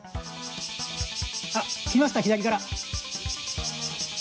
あっ、来ました、左から。